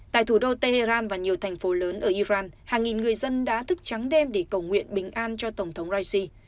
tại thủ đô tehran và nhiều thành phố lớn ở iran hàng nghìn người dân đã thức trắng đêm để cầu nguyện bình an cho tổng thống raisi